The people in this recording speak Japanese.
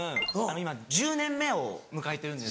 今１０年目を迎えてるんですけども。